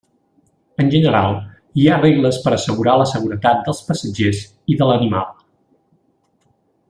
En general, hi ha regles per assegurar la seguretat dels passatgers i de l'animal.